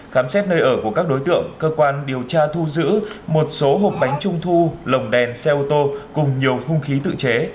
khám xét nơi ở của các đối tượng cơ quan điều tra thu giữ một số hộp bánh trung thu lồng đèn xe ô tô cùng nhiều hung khí tự chế